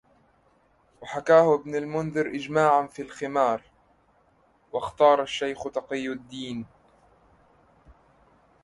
وَحَكَاهُ ابْنُ الْمُنْذِرِ إجْمَاعًا فِي الْخِمَارِ وَاخْتَارَ الشَّيْخُ تَقِيُّ الدِّينِ